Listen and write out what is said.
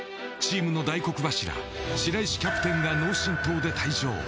チームの大黒柱白石キャプテンが脳震とうで退場。